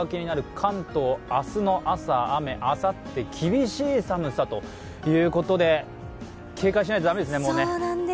関東明日の朝雨あさって厳しい寒さということで、警戒しないと駄目ですね。